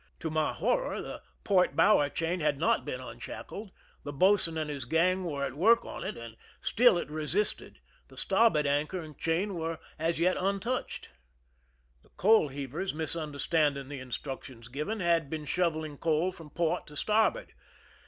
To my horror, the port bower chain had not been unshackled; the boatswain and his gang were at work on it, and still it resisted ;the starboard anchor and chain were as yet untou(jhed. The coal heavers, misunder standing the instructions given, had been shoveling coal from port to starboard.